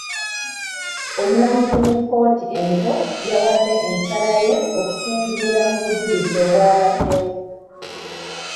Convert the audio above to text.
Omulamuzi mu kkooti ento yawadde ensala ye okusinziira ku bujulizi obwabaddewo.